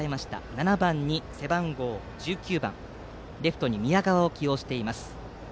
７番に背番号１９番レフトに宮川を起用しています。